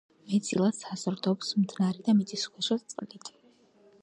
მეტწილად საზრდოობს მდნარი და მიწისქვეშა წყლით.